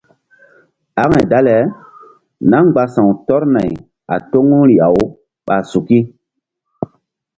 Aŋay dale náh mgba sa̧w tɔr nay a toŋuri-awɓa suki.